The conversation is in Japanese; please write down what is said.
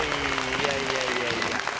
いやいやいやいや。